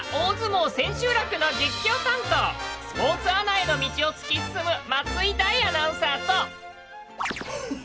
スポーツアナへの道を突き進む松井大アナウンサーと。